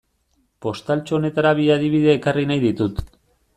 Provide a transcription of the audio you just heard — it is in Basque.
Postaltxo honetara bi adibide ekarri nahi ditut.